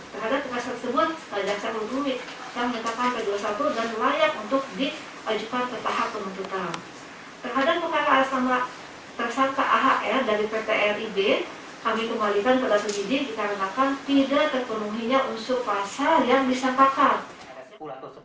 karena tidak terpenuhinya unsur pasal yang disangkakan